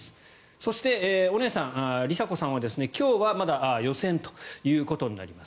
そしてお姉さん、梨紗子さんは今日はまだ予選ということになります。